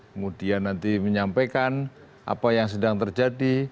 kemudian nanti menyampaikan apa yang sedang terjadi